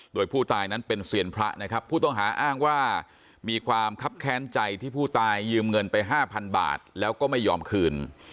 โดยผู้ตายนั้นเป็นเซียนพระนะครับผู้ต้องหาอ้างว่ามีความคับแค้นใจที่ผู้ตายยืมเงินไปห้าพันบาทแล้วก็ไม่ยอมคืน